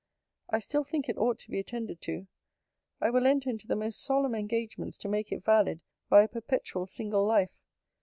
I still think it ought to be attended to. I will enter into the most solemn engagements to make it valid by a perpetual single life.